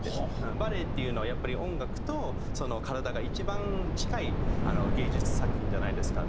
バレエっていうのはやっぱり音楽と体が一番近い芸術作品じゃないですか。